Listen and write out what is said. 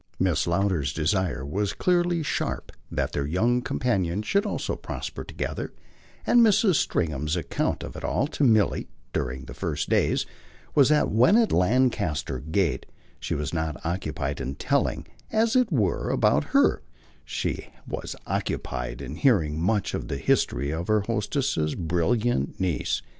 Mrs. Lowder's desire was clearly sharp that their young companions should also prosper together; and Mrs. Stringham's account of it all to Milly, during the first days, was that when, at Lancaster Gate, she was not occupied in telling, as it were, about her, she was occupied in hearing much of the history of her hostess's brilliant niece.